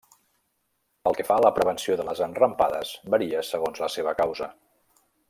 Pel que fa a la prevenció de les enrampades varia segons la seva causa.